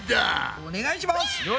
お願いします！